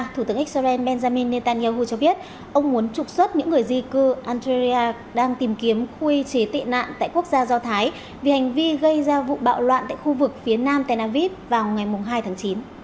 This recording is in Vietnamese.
thủ tướng israel benjamin netanyahu cho biết ông muốn trục xuất những người di cư algeria đang tìm kiếm khu y chế tị nạn tại quốc gia do thái vì hành vi gây ra vụ bạo loạn tại khu vực phía nam tel aviv vào ngày hai tháng chín